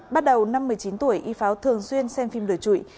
bắt đầu năm một mươi chín tuổi y pháo thường xuyên xem phim lửa trụi